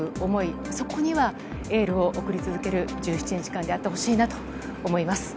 そこにはエールを送り続ける１７日間であってほしいなと思います。